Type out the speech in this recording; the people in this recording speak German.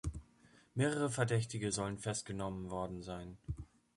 Mehrere Verdächtige sollen festgenommen worden sein.